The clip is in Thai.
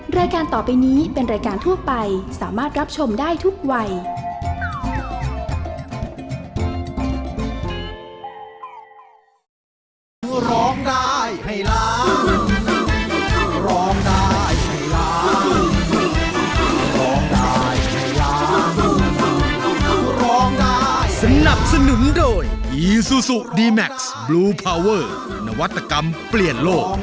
รายการต่อไปนี้เป็นรายการทั่วไปสามารถรับชมได้ทุกวัย